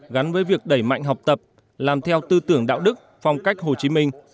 gắn với việc đẩy mạnh học tập làm theo tư tưởng đạo đức phong cách hồ chí minh